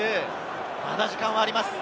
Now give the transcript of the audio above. まだ時間はあります。